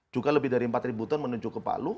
juga lebih dari empat ribu ton menuju ke palu